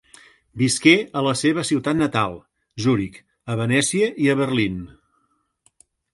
Visqué a la seva ciutat natal, Zuric, a Venècia i a Berlín.